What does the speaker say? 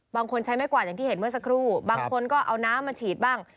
บางคนใช้ไม้กวาดอย่างที่เห็นเมื่อสักครู่บางคนก็เอาน้ำมาฉีดบ้าง